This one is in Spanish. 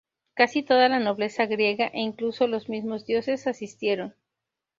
Casi toda la nobleza griega e incluso los mismos dioses asistieron.